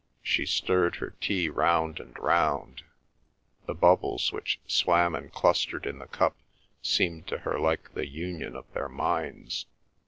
She stirred her tea round and round; the bubbles which swam and clustered in the cup seemed to her like the union of their minds.